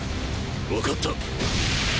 わかった。